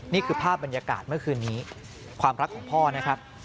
นี่คือภาพบรรยากาศเมื่อคืนนี้ความรักของพ่อนะครับ